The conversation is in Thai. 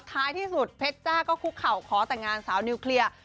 ท้ายที่สุดเพชรจ้าก็คุกเข่าขอแต่งงานสาวนิวเคลียร์